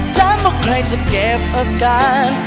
ถามว่าใครจะเก็บอาการ